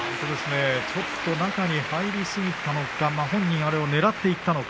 ちょっと中に入りすぎたのか、本人はねらっていたのか。